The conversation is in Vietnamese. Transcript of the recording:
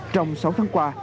trong sáu tháng qua